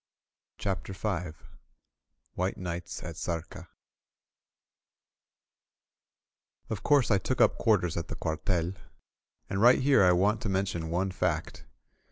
CHAPTER V WHITE NIGHTS AT ZARCA OF course, I took up quarters at the cuartel. And right here I W£^nt to mention one fact.